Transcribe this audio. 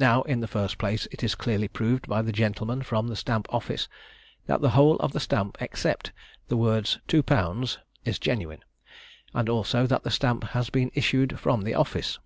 Now in the first place it is clearly proved by the gentlemen from the Stamp office, that the whole of the stamp, except the words "two pounds," is genuine, and also that the stamp has been issued from the office.